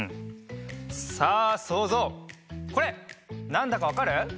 さあそうぞうこれなんだかわかる？